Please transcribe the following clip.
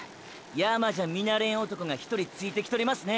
山じゃ見なれん男が１人ついてきとりますね。